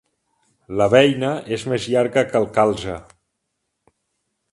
La beina és més llarga que el calze.